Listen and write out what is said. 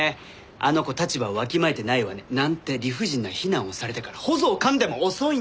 「あの子立場をわきまえてないわね」なんて理不尽な非難をされてから臍を噛んでも遅いんですから。